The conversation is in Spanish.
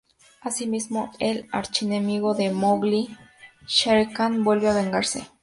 Asimismo, el archienemigo de Mowgli, Shere Khan, vuelve para vengarse.